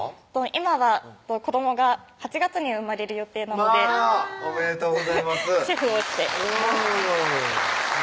今は子どもが８月に産まれる予定なのでまぁおめでとうございます主婦をしています